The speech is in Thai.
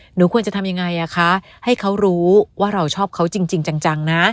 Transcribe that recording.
หนูควรจะทำยังไงอ่ะคะให้เขารู้ว่าเราชอบเขาจริงจังนะ